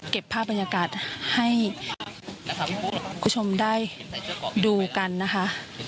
ภาพบรรยากาศให้คุณผู้ชมได้ดูกันนะคะ